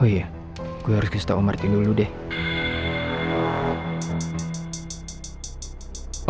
oh iya gua harus kasih tau om martin dulu deh